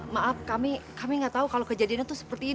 maaf kami gak tahu kalau kejadian itu seperti ini